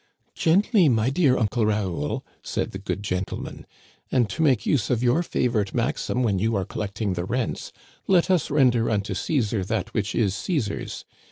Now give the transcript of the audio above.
" Gently, my dear Uncle Raoul," said the good gen tleman ";" and, to make use of your favorite maxim when you are collecting the rents, let us render unto Caesar that which is Caesar's.